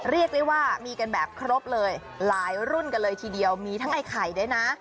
เรียกได้ว่ามีกันแบบครบเลยหลายรุ่นกันเลยทีเดียวมีทั้งไอ้ไข่ด้วยนะ